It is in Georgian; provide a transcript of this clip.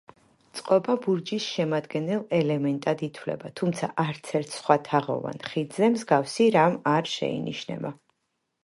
წყობა ბურჯის შემადგენელ ელემენტად ითვლება, თუმცა არცერთ სხვა თაღოვან ხიდზე მსგავსი რამ არ შეინიშნება.